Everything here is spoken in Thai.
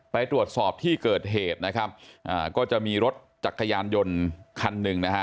ไปตรวจสอบที่เกิดเหตุนะครับอ่าก็จะมีรถจักรยานยนต์คันหนึ่งนะฮะ